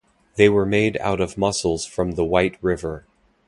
They were made out of mussels from the White River.